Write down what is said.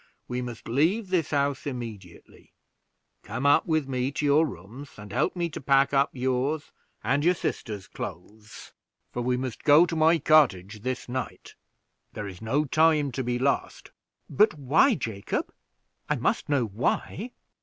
We must leave this house immediately; come up with me to your rooms, and help me to pack up yours and your sisters' clothes, for we must go to my cottage this night. There is no time to be lost." "But why, Jacob; I must know why?"